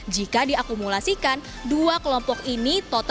jika diakumulasikan dua kelompok ini akan menjadi pemerintah pertama